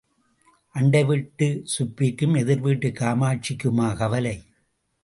அண்டை வீட்டுச் சுப்பிக்கும் எதிர்வீட்டுக் காமாட்சிக்குமா கவலை?